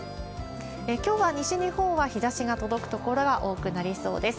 きょうは西日本は日ざしが届く所が多くなりそうです。